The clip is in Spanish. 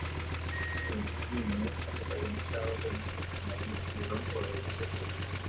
En cine ha protagonizado películas como "Adiós, tiburón" o "El regreso del Coyote".